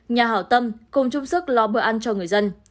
nhà hảo tâm cùng chung sức lo bữa ăn cho người dân